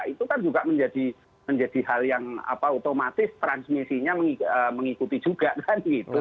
itu kan juga menjadi hal yang otomatis transmisinya mengikuti juga kan gitu